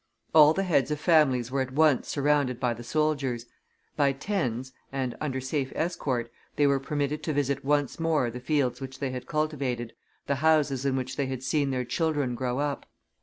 All the heads of families were at once surrounded by the soldiers. By tens, and under safe escort, they were permitted to visit once more the fields which they had cultivated, the houses in which they had seen their children grow up.